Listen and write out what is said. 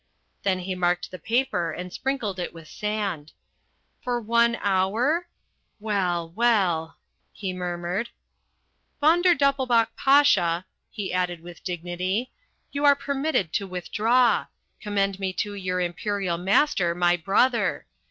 Then he marked the paper and sprinkled it with sand. "For one hour? Well, well," he murmured. "Von der Doppelbauch Pasha," he added with dignity, "you are permitted to withdraw. Commend me to your Imperial Master, my brother.